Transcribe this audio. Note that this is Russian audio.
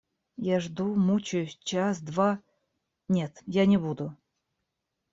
Я жду, мучаюсь, час, два... Нет, я не буду!..